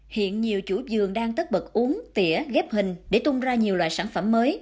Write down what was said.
hiện nhiều chủ vườn đang tất bật uống tỉa ghép hình để tung ra nhiều loại sản phẩm mới